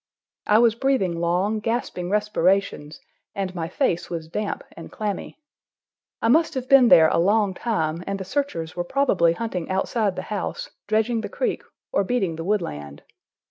I was breathing long, gasping respirations, and my face was damp and clammy. I must have been there a long time, and the searchers were probably hunting outside the house, dredging the creek, or beating the woodland.